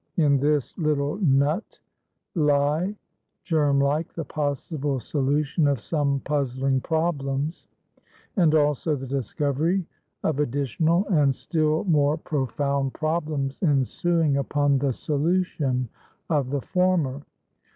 In this little nut lie germ like the possible solution of some puzzling problems; and also the discovery of additional, and still more profound problems ensuing upon the solution of the former.